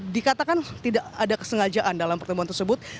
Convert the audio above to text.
dikatakan tidak ada kesengajaan dalam pertemuan tersebut